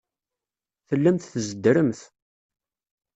Tellamt tzeddremt.